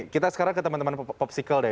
kita sekarang ke teman teman popsicle deh